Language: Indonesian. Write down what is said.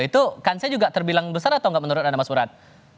itu kansnya juga terbilang besar atau enggak menurut anda mas surat